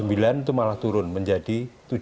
sembilan puluh sembilan itu malah turun menjadi tujuh belas